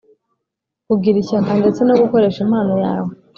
kugira ishyaka ndetse no gukoresha impano yawe